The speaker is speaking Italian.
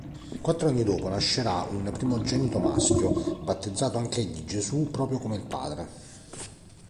Quattro anni dopo nascerà un primogenito maschio, battezzato anch'egli Gesù, proprio come il padre.